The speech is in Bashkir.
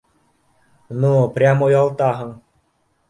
— Ну прям, оялтаһың